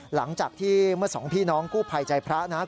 หลังจากที่เมื่อสองพี่น้องกู้ภัยใจพระนะครับ